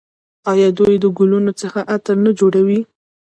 آیا دوی د ګلونو څخه عطر نه جوړوي؟